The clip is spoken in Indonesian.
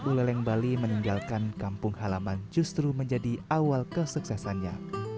uleleng bali meninggalkan kampung halaman justru menjadi awal kesuksesannya